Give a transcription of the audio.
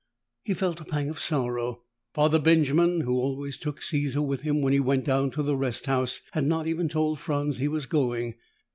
He felt a pang of sorrow. Father Benjamin, who always took Caesar with him when he went down to the rest house, had not even told Franz he was going.